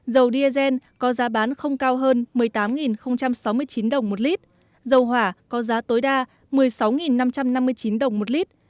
dầu diesel có giá bán không cao hơn một mươi tám sáu mươi chín đồng một lít dầu hỏa có giá tối đa một mươi sáu năm trăm năm mươi chín đồng một lít